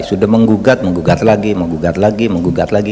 sudah mengugat mengugat lagi mengugat lagi mengugat lagi